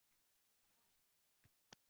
Do’st bo’ladi o’tli yaralar